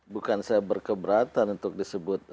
bukan saya berkeberatan untuk disebut